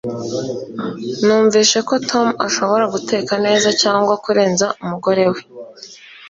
Numvise ko Tom ashobora guteka neza, cyangwa kurenza umugore we.